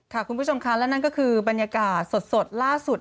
คุณผู้ชมค่ะและนั่นก็คือบรรยากาศสดล่าสุด